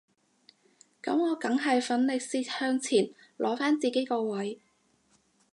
噉我梗係奮力攝向前攞返自己個位